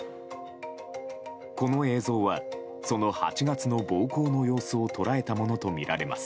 この映像はその８月の暴行の様子を捉えたものとみられます。